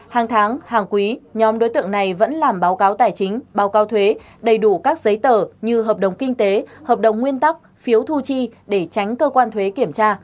hàng tháng hàng quý nhóm đối tượng này vẫn làm báo cáo tài chính báo cáo thuế đầy đủ các giấy tờ như hợp đồng kinh tế hợp đồng nguyên tắc phiếu thu chi để tránh cơ quan thuế kiểm tra